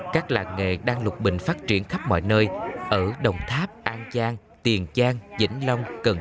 các làng nghề đang lục bình phát triển khắp mọi nơi ở đồng tháp an giang tiền giang vĩnh long cần thơ